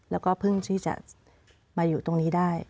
แล้วก็เพิ่งที่จะมาอยู่ตรงนี้ได้